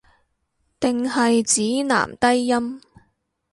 定係指男低音